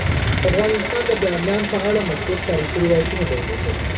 افغانستان د بامیان په اړه مشهور تاریخی روایتونه لري.